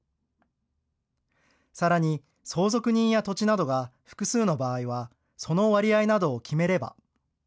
さらに相続人や土地などが複数の場合はその割合などを決めれば。